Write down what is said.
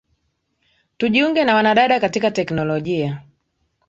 Tujiunge na wanadada katika teknolojia